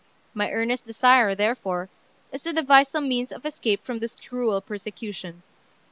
My earnest desire, therefore, is to devise some means of escape from this cruel persecution.